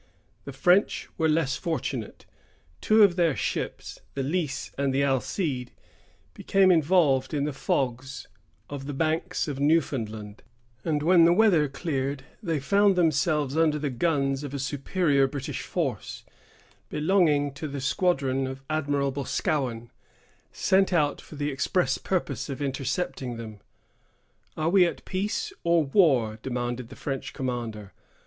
The French were less fortunate. Two of their ships, the Lys and the Alcide, became involved in the fogs of the banks of Newfoundland; and when the weather cleared, they found themselves under the guns of a superior British force, belonging to the squadron of Admiral Boscawen, sent out for the express purpose of intercepting them. "Are we at peace or war?" demanded the French commander.